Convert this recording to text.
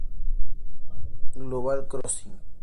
Global Crossing